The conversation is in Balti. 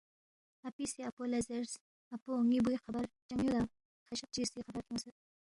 اپی سی اپو لہ زیرس، اپو ن٘ی بُوی خبر چنگ یودا؟ خشق چگی سی خبر کھیونگسید